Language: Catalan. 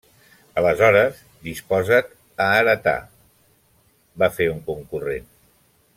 -Aleshores, disposa't a heretar…- va fer un concurrent.